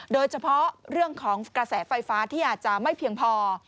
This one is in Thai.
โดยเฉพาะเรื่องของกระแสไฟฟ้าที่อาจจะไม่เพียงพอ